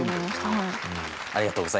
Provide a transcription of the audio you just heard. はい。